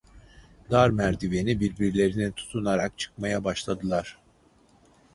Dar merdiveni birbirlerine tutunarak çıkmaya başladılar.